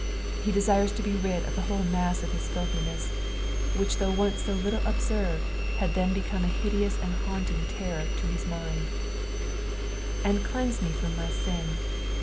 He desires to be rid of the whole mass of his Glthiness, which though once so little observed, hud then become a hideous and haunting terror to bid mjnri. "And cleanse me from mi/ nin."